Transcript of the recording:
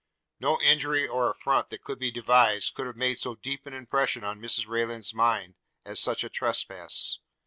No injury or affront that could be devised could have made so deep an impression on Mrs Rayland's mind, as such a trespass.